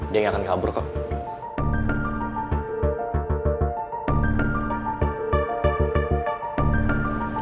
dia yang akan kabur kok